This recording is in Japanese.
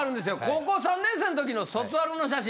高校３年生のときの卒アルの写真。